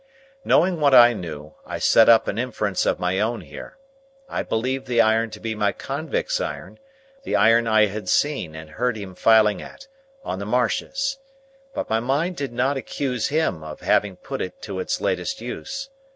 Knowing what I knew, I set up an inference of my own here. I believed the iron to be my convict's iron,—the iron I had seen and heard him filing at, on the marshes,—but my mind did not accuse him of having put it to its latest use.